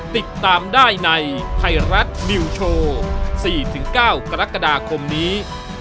ติดตามได้ในไทยรัฐนิวโชว์๔๙กรกฎาคมนี้